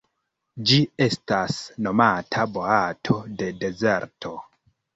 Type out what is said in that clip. Ĝi estas nomata boato de dezerto.